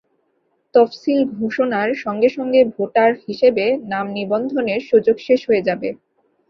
তফসিল ঘোষণার সঙ্গে সঙ্গে ভোটার হিসেবে নাম নিবন্ধনের সুযোগ শেষ হয়ে যাবে।